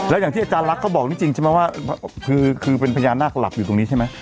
แล้วอย่างที่อาจารย์ลักษ์บอกจริงใช่ไหมว่าคือเป็นพญานาคหลับอยู่ตรงนี้ใช่ไหม